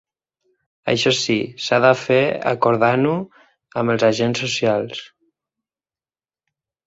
Això sí, s’ha de fer acordant-ho amb els agents socials.